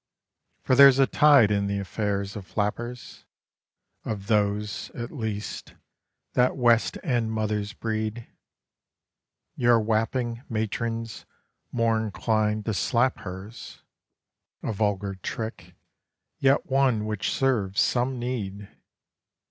For there's a tide in the affairs of flappers, Of those, at least, that West End mothers breed (Your Wapping matron's more inclined to slap hers: A vulgar trick yet one which serves some need!)